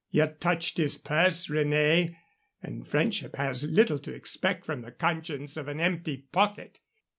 Ye touched his purse, René. And friendship has little to expect from the conscience of an empty pocket."